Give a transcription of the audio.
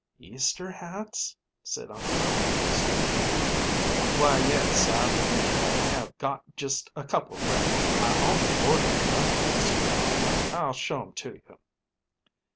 "Easter hats?" said Uncle Tommy, sleepily. "Why, yes, I believe I have got just a couple left. I only ordered a dozen this spring. I'll show 'em to you."